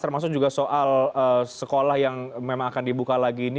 termasuk juga soal sekolah yang memang akan dibuka lagi ini